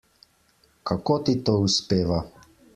Kako ti to uspeva?